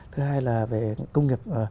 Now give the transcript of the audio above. thứ hai là về công nghiệp